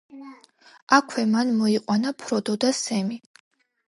აქვე მან მოიყვანა ფროდო და სემი.